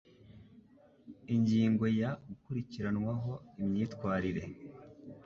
Ingingo ya Gukurikiranwaho imyitwarire